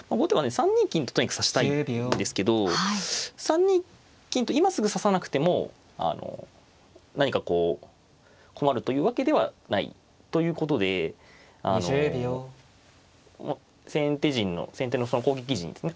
３二金ととにかく指したいんですけど３二金と今すぐ指さなくても何かこう困るというわけではない。ということであの先手陣の先手のその攻撃陣ですね。